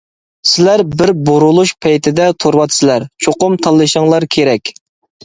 سىلەر بىر بۇرۇلۇش پەيتىدە تۇرۇۋاتىسىلەر، چوقۇم تاللىشىڭلار كېرەك.